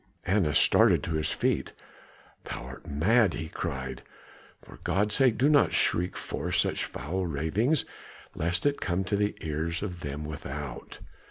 Annas started to his feet. "Thou art mad!" he cried. "For God's sake, do not shriek forth such foul ravings, lest it come to the ears of them without."